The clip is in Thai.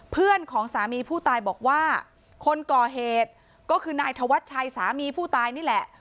เพื่อนของสามีผู้ตายบอกว่าคนก่อเหตุก็คือนายธวัชชัยสามีผู้ตายนี่แหละ